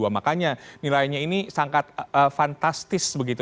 makanya nilainya ini sangat fantastis begitu